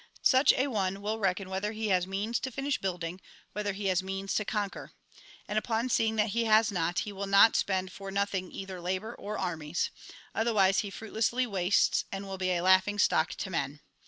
Such an one will reckon whether he has means to finish building, whether he has means to conquer. And upon seeing that he has not, he will not spend for nothing either labour or armies. Otherwise, he fruitlessly wastes, and will be a laughing stock to men.